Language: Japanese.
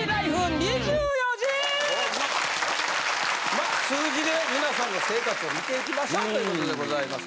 まあ数字で皆さんの生活を見ていきましょうという事でございます。